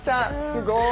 すごい。